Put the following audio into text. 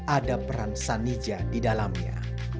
ada peran sanija di dalamnya